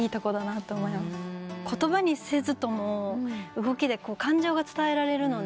言葉にせずとも動きで感情が伝えられるので。